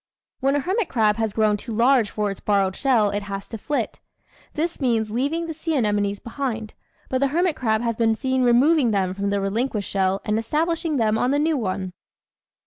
When a hermit crab has grown too large for its borrowed shell it has to flit. This means leaving the sea anemones behind, but the hermit crab has been seen removing them from the relinquished shell and establishing them on the new one.